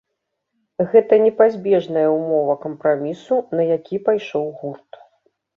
Гэта непазбежная ўмова кампрамісу, на які пайшоў гурт.